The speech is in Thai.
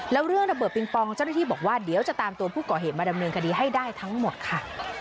แล้วเรื่องระเบิดปิงปองเจ้าหน้าที่บอกว่าเดี๋ยวจะตามตัวผู้ก่อเหตุมาดำเนินคดีให้ได้ทั้งหมดค่ะ